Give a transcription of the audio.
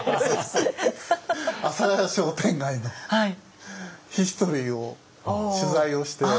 阿佐谷商店街のヒストリーを取材をして。